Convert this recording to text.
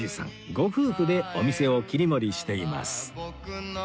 ご夫婦でお店を切り盛りしています